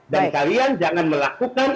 dan kalian jangan melakukan